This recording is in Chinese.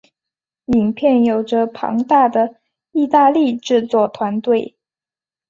影片有着庞大的意大利制作团队。